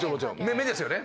目ですよね。